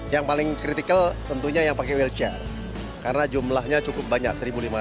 yang paling kritikal tentunya yang pakai well chare karena jumlahnya cukup banyak satu lima ratus